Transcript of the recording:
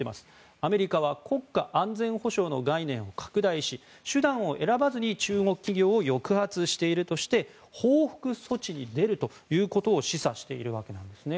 アメリカは国家安全保障の概念を拡大し手段を選ばずに中国企業を抑圧しているとして報復措置に出ることを示唆しているわけですね。